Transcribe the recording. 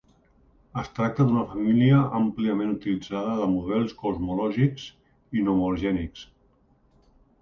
Es tracta d'una família àmpliament utilitzada de models cosmològics inhomogenis.